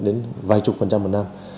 đến vài chục phần trăm một năm